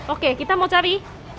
oke kita mau cari